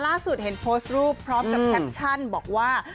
ล่าสุดเห็นโพสต์รูปพร้อมกับแคปชั่นบอกว่า